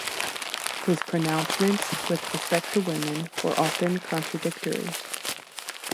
His pronouncements with respect to women were often contradictory.